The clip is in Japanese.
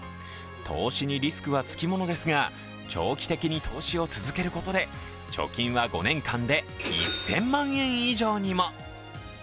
投資にリスクはつきものですが長期的に投資を続けることで貯金は５年間で１０００万円以上にも。